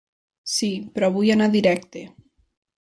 Sí, però vull anar directe.